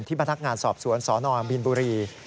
พนักงานสอบสวนสนบินบุรี